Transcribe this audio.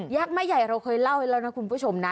ักษ์แม่ใหญ่เราเคยเล่าให้แล้วนะคุณผู้ชมนะ